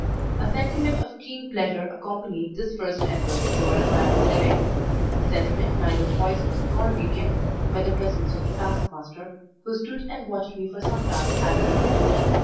A sentiment of keen pleasure accompanied this first effort to earn my own living a sentiment neither poisoned nor weakened by the presence of the taskmaster, who stood and watched me for some time as I wrote.